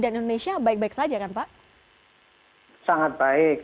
dan indonesia baik baik saja kan pak